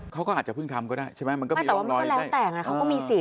เค้าก็อาจจะเข้าเพลิงทำก็ได้แล้วแต่ว่าที่แล้วแต่งมันก็มีสิทธิ์